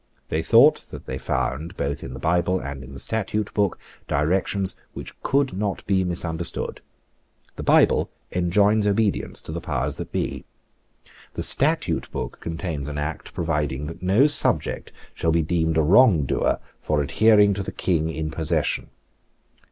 They thought that they found, both in the Bible and in the Statute Book, directions which could not be misunderstood. The Bible enjoins obedience to the powers that be. The Statute Book contains an act providing that no subject shall be deemed a wrongdoer for adhering to the King in possession.